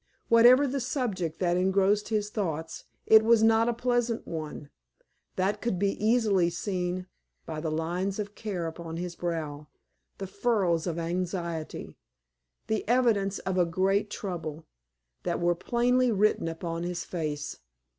Whatever the subject that engrossed his thoughts, it was not a pleasant one. That could be easily seen by the lines of care upon his brow, the furrows of anxiety the evidence of a great trouble that were plainly written upon his face.